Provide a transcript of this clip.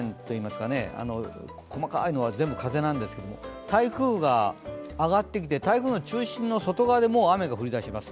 細かいのは全部風なんですけど、台風が上がってきて、台風の中心の外側で雨が降りだします。